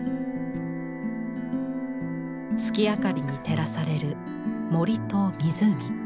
月明かりに照らされる森と湖。